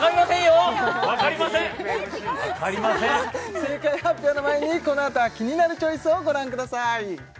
正解発表の前にこの後は「キニナルチョイス」をご覧ください